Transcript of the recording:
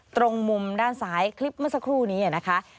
ตรงมุมด้านซ้ายคลิปเมื่อสักครู่นี้นะคะ